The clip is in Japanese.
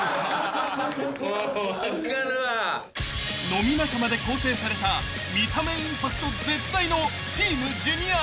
［飲み仲間で構成された見た目インパクト絶大のチームジュニア］